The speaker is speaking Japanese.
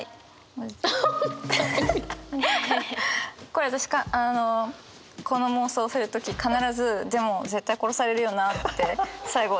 これ私この妄想する時必ずでも絶対殺されるよなって最後。